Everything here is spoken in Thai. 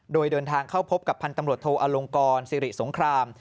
โดยเดินทางเข้าพบกับพันธ์ตำรวจโทอลงกรสิริสงคราม